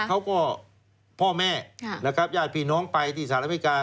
เขาก็พ่อแม่ญาติพี่น้องไปที่สหรัฐอเมริกา